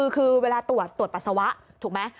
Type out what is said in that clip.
คือเวลาตรวจตรวจปัสสาวะถูกไหม